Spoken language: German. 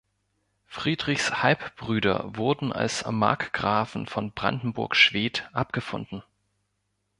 Friedrichs Halbbrüder wurden als "Markgrafen von Brandenburg-Schwedt" abgefunden.